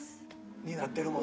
になってるもんな。